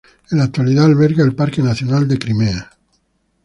En la actualidad alberga el parque nacional de Crimea.